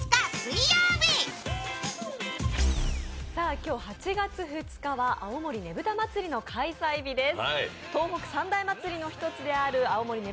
今日８月２日は青森ねぶた祭の開催日です。